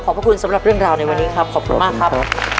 พระคุณสำหรับเรื่องราวในวันนี้ครับขอบคุณมากครับ